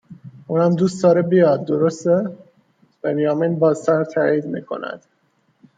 اونم دوست داره بیاد، درسته؟ بنیامین با سر تأیید میکند